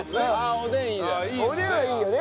おでんはいいよね。